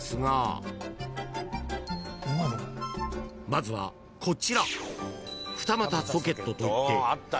［まずはこちら］